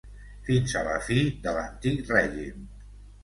Fins a la fi de l'antic règim.